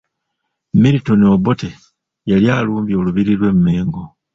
Milton Obote yali alumbye olubiri lw'e Mmengo.